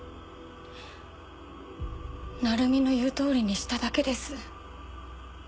鳴海の言うとおりにしただけです。